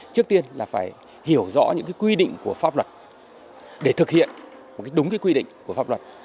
trước tiên là phải hiểu rõ những quy định của pháp luật để thực hiện một đúng quy định của pháp luật